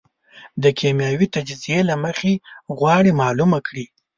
د کېمیاوي تجزیې له مخې غواړي معلومه کړي.